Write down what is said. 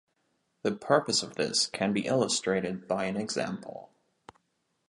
The purpose of this can be illustrated by an example.